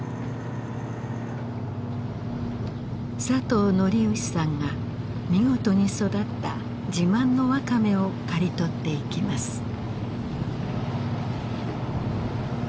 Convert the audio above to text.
佐藤徳義さんが見事に育った自慢のワカメを刈り取っていきます。